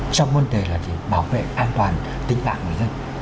trong vấn đề làm cứu đạn thương hộ trong vấn đề bảo vệ an toàn tính mạng người dân